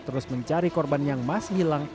terus mencari korban yang masih hilang